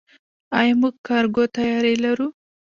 آیا موږ کارګو طیارې لرو؟